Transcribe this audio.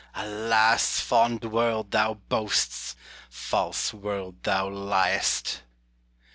Alas! fond world, thou boasts; false world, thou ly'st.